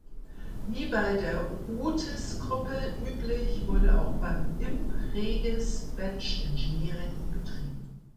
Wie bei der Rootes-Gruppe üblich, wurde auch beim Imp reges Badge-Engineering betrieben.